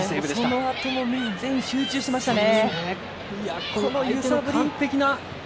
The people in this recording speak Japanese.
そのあとも全員、集中してましたね。